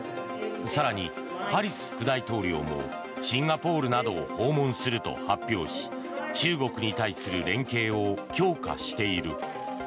更に、ハリス副大統領もシンガポールなどを訪問すると発表し中国に対する連携を強化している。